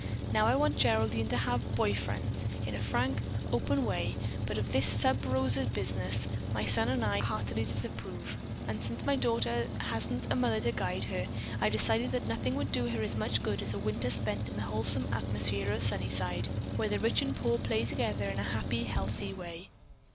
Now I want Geraldine to have boy friends in a frank, open way, but of this sub rosa business, my son and I heartily disapprove, and since my daughter hasn't a mother to guide her, I decided that nothing would do her as much good as a winter spent in the wholesome atmosphere of Sunnyside, where the rich and poor play together in a happy, healthy way.